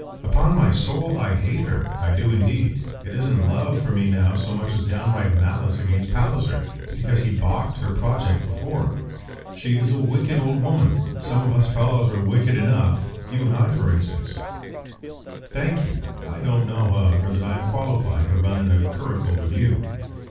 "Upon my soul I hate her. I do indeed. It isn't love for me now so much as downright malice against Palliser, because he baulked her project before. She is a wicked old woman. Some of us fellows are wicked enough you and I for instance " "Thank you. I don't know, however, that I am qualified to run in a curricle with you."